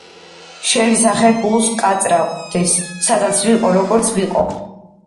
შენი სახე გულს კაწრავდეს, სადაც ვიყო, როგორც ვიყო,